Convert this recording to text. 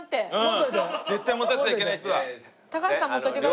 絶対持たせちゃいけない人だ。